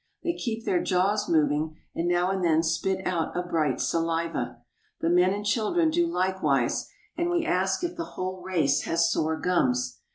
They keep their jaws moving, and now and then spit out a bright saliva. The men and children do likewise, and we ask if the whole race has sore gums.